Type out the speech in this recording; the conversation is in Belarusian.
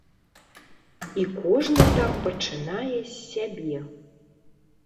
І кожны там пачынае з сябе.